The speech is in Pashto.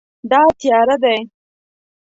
دا تیاره دی